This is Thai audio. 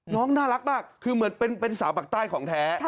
น่ารักมากคือเหมือนเป็นสาวปากใต้ของแท้